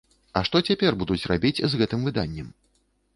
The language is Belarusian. А што цяпер будуць рабіць з гэтым выданнем?